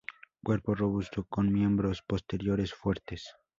Cuerpo robusto con miembros posteriores fuertes.